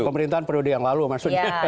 pemerintahan periode yang lalu maksudnya